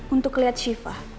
untuk lihat siva